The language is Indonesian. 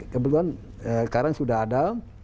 kebetulan sekarang sudah ada